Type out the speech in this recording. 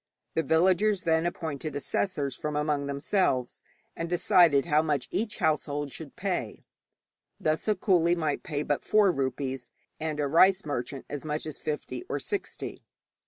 The villagers then appointed assessors from among themselves, and decided how much each household should pay. Thus a coolie might pay but four rupees, and a rice merchant as much as fifty or sixty.